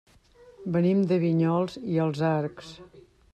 Venim de Vinyols i els Arcs.